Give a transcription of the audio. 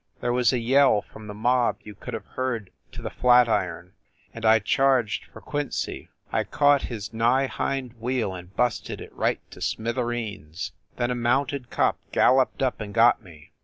There was a yell from the mob you could have heard to the Flatiron, and I charged for Quincy. I caught his nigh hind wheel and busted it right to smithereens. Then a mounted cop galloped up and got me.